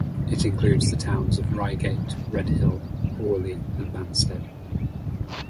It includes the towns of Reigate, Redhill, Horley and Banstead.